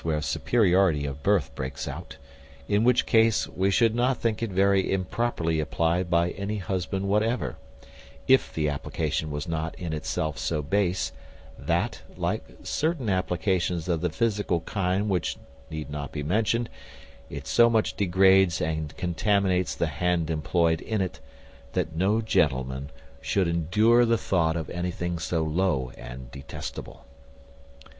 where superiority of birth breaks out; in which case, we should not think it very improperly applied by any husband whatever, if the application was not in itself so base, that, like certain applications of the physical kind which need not be mentioned, it so much degrades and contaminates the hand employed in it, that no gentleman should endure the thought of anything so low and detestable.